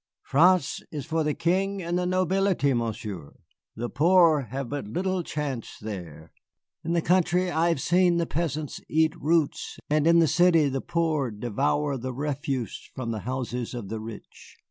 "France is for the King and the nobility, Monsieur. The poor have but little chance there. In the country I have seen the peasants eat roots, and in the city the poor devour the refuse from the houses of the rich.